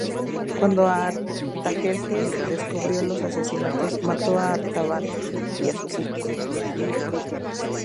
Cuando Artajerjes descubrió los asesinatos, mató a Artabano y a sus hijos.